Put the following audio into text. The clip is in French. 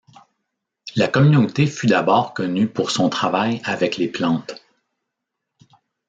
La communauté fut d’abord connue pour son travail avec les plantes.